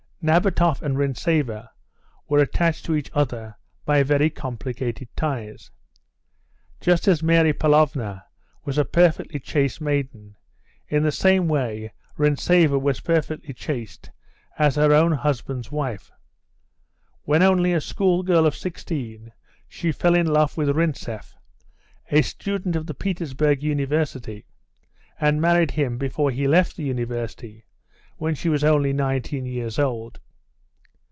Nabatoff and Rintzeva were attached to each other by very complicated ties. Just as Mary Pavlovna was a perfectly chaste maiden, in the same way Rintzeva was perfectly chaste as her own husband's wife. When only a schoolgirl of sixteen she fell in love with Rintzeff, a student of the Petersburg University, and married him before he left the university, when she was only nineteen years old.